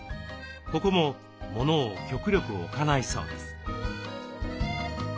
ここもモノを極力置かないそうです。